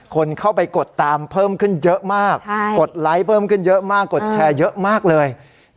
คนเข้าไปกดตามเพิ่มขึ้นเยอะมากกดไลค์เพิ่มขึ้นเยอะมากกดแชร์เยอะมากเลย